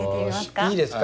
いいですか？